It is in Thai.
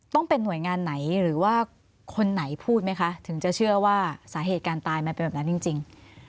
ต้องเป็นหน่วยงานไหนหรือว่าคนไหนพูดไหมคะถึงจะเชื่อว่าสาเหตุการตายมันเป็นแบบนั้นจริง